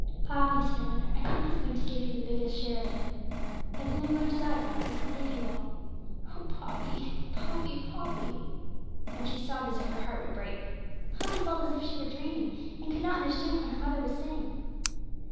'Poppy,' said her mother, 'I think He's going to give you the biggest share of it. I think I'm going to die, Poppy, and leave you all. Oh! Poppy, Poppy, Poppy!' and she sobbed as if her heart would break. Poppy felt as if she were dreaming, and could not understand what her mother was saying.